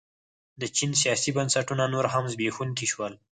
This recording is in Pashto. د چین سیاسي بنسټونه نور هم زبېښونکي شول.